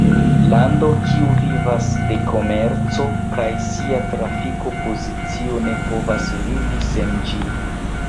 Lando kiu vivas de komerco kaj sia trafiko pozicio ne povas vivi sen ĝi.